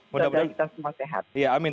mudah mudahan kita semua sehat